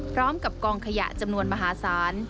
พร้อมกับกองขยะจำนวนมหาศาล